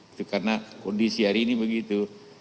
itu karena kondisi hari ini begitu